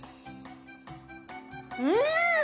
うん！